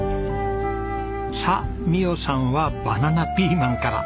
さあ美央さんはバナナピーマンから。